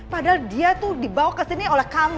padahal dia tuh dibawa kesini oleh kami